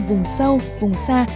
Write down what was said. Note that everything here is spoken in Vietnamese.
vùng sâu vùng xa